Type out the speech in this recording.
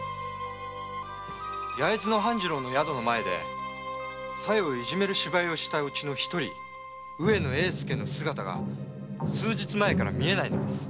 焼津の半次郎の宿の前で小夜をいじめる芝居をした者の一人上野英助が数日前から見えないのです。